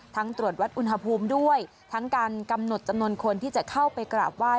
ตรวจวัดอุณหภูมิด้วยทั้งการกำหนดจำนวนคนที่จะเข้าไปกราบไห้